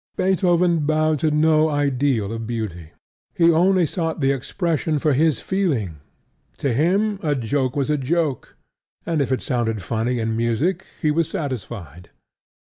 Beethoven bowed to no ideal of beauty: he only sought the expression for his feeling. To him a joke was a joke; and if it sounded funny in music he was satisfied.